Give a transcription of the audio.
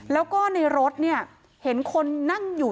แล้วก็ในรถเนี่ยเห็นคนนั่งอยู่